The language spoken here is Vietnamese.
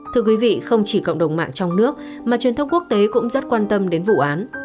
thưa quý vị không chỉ cộng đồng mạng trong nước mà truyền thông quốc tế cũng rất quan tâm đến vụ án